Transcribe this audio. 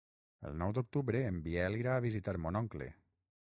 El nou d'octubre en Biel irà a visitar mon oncle.